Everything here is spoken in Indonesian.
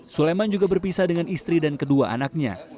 suleman juga berpisah dengan istri dan kedua anaknya